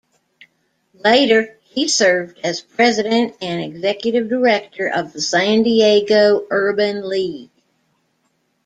Later he served as president and executive director of the San Diego Urban League.